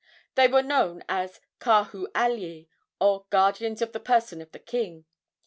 They were known as kahu alii, or guardians of the person of the king.